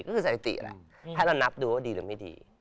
ก็คือสถิติแหละให้เรานับดูว่าดีหรือไม่ดี